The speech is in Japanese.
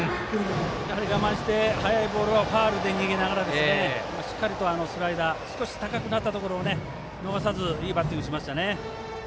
やはり、我慢して速いボールをファウルで逃げながらしっかりと、スライダー少し高くなったところを逃さずいいバッティングしました。